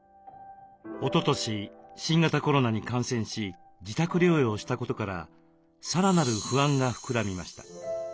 おととし新型コロナに感染し自宅療養したことからさらなる不安が膨らみました。